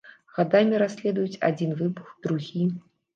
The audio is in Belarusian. Гадамі расследуюць адзін выбух, другі.